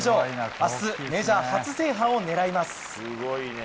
明日メジャー初制覇を狙います。